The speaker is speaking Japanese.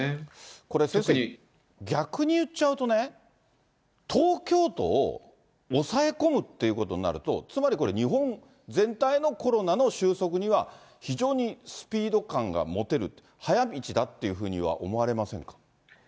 これ先生、逆に言っちゃうとね、東京都を抑え込むっていうことになると、つまりこれ、日本全体のコロナの収束には非常にスピード感が持てる、早道だというふうには思われませんか。